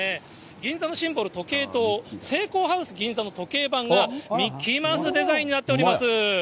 銀座のシンボル、時計塔、セイコーハウス銀座の時計盤が、ミッキーマウスデザインになっております。